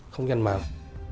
không gian mạng